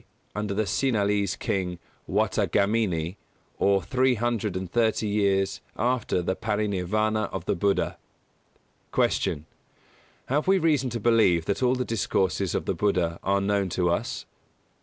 under the Sinhalese King, Wattagamini, or three hundred and thirty years after the Paranirvāna of the Buddha. 167. Q. _Have we reason to believe that all the discourses of the Buddha are known to us?